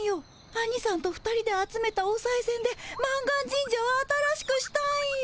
アニさんと２人で集めたおさいせんで満願神社を新しくしたんよ。